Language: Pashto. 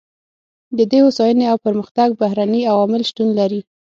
د دې هوساینې او پرمختګ بهرني عوامل شتون لري.